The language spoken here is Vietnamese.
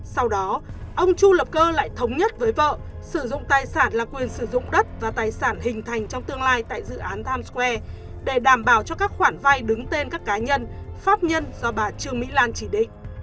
sau đó ông chu lập cơ lại thống nhất với vợ sử dụng tài sản là quyền sử dụng đất và tài sản hình thành trong tương lai tại dự án times square để đảm bảo cho các khoản vay đứng tên các cá nhân pháp nhân do bà trương mỹ lan chỉ định